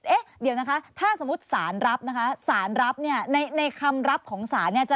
เอ๊ะเดี๋ยวนะคะถ้าสมมุติสารรับนะคะสารรับเนี่ยในคำรับของศาลเนี่ย